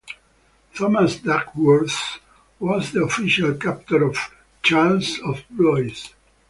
Thomas Dagworth was the official captor of Charles of Blois.